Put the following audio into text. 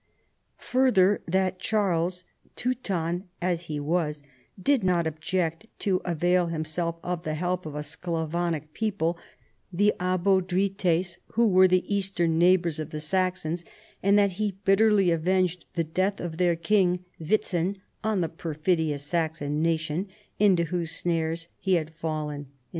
Further, that Charles, Teuton as he was, did not ob ject to avail himself of the help of a Sclavonic people, the Abodrites, who were the eastern neigh bors of the Saxons, and that he bitterly avenged the death of their king Witzin on " the perfidious Saxon nation," into whose snares he had fallen (795).